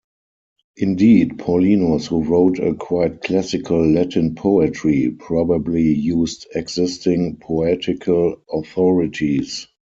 Indeed, Paulinus, who wrote a quite classical Latin poetry, probably used existing poetical authorities.